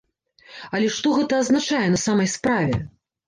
Але што гэта азначае на самай справе?